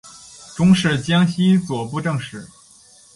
终仕江西左布政使。